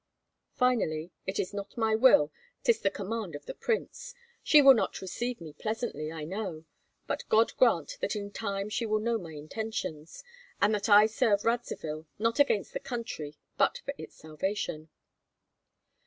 Finally, it is not my will, 'tis the command of the prince. She will not receive me pleasantly, I know; but God grant that in time she will know my intentions, and that I serve Radzivill not against the country, but for its salvation."